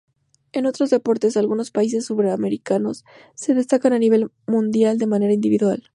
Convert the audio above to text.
En otros deportes, algunos países suramericanos se destacan a nivel mundial de manera individual.